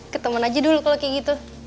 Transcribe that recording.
ketemen aja dulu kalo kayak gitu